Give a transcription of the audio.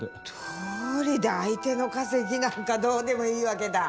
どうりで相手の稼ぎなんかどうでもいいわけだ。